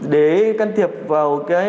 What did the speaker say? để can thiệp vào